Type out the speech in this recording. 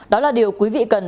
đó là điều quý vị cần